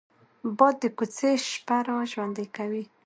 باد د کوڅې شپه را ژوندي کوي